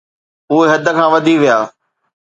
اهي حد کان وڌي ويا.